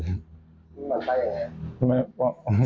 หมั่นไส้ยังไง